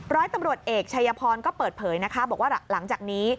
ร้อยตำรวจเอกชัยพรก็เปิดเผยนะคะบอกว่าหลังจากนี้